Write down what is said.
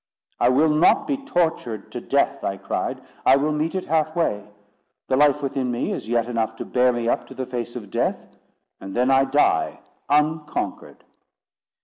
"I will not be tortured to death," I cried; "I will meet it half way. The life within me is yet enough to bear me up to the face of Death, and then I die unconquered."